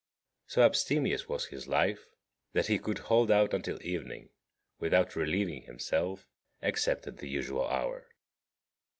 So abstemious was his life that he could hold out until evening without relieving himself, except at the usual hour.